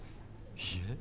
いいえ。